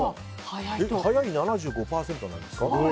早い、７５％ですか。